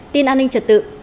tin an ninh trật tự